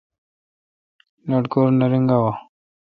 لٹکور نہ رینگاوں۔